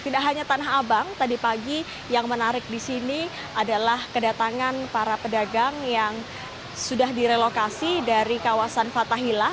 tidak hanya tanah abang tadi pagi yang menarik di sini adalah kedatangan para pedagang yang sudah direlokasi dari kawasan fathahila